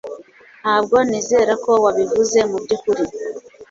ntabwo nizera ko wabivuze mubyukuri